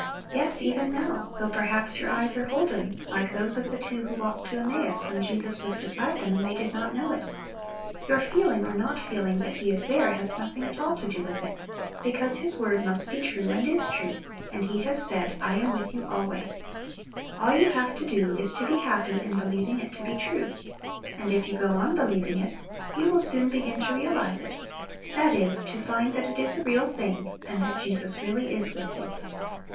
Yes, even now, though perhaps your eyes are holden, like those of the two who walked to Emmaus when Jesus was beside them and they did not know it. Your feeling or not feeling that He is there has nothing at all to do with it, because His word must be true and is true, and He has said, "I am with you alway." All you have to do is to be happy in believing it to be true. And if you go on believing it, you will soon begin to realize it; that is, to find that it is a real thing, and that Jesus really is with you.